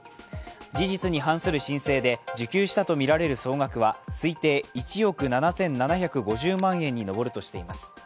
事実に反する申請で受給したとみられる総額は推定１億７７５０万円に上るとしています。